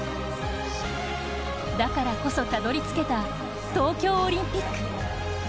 だからこそたどり着けた東京オリンピック。